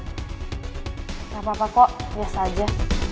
tidak apa apa kok biasa aja